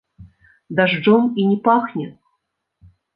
Дажджом і не пахне.